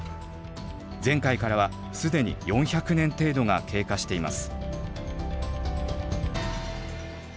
前回からは既に４００年程度が経過しています。